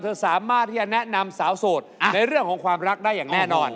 สามารถที่จะแนะนำสาวโสดในเรื่องของความรักได้อย่างแน่นอน